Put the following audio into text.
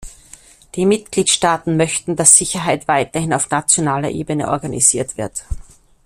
Die Mitgliedstaaten möchten, dass Sicherheit weiterhin auf nationaler Ebene organisiert wird.